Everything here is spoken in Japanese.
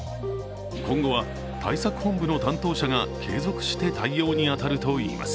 今後は対策本部の担当者が継続して対応に当たるといいます。